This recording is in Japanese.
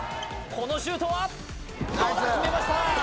このシュートはどうだ決めました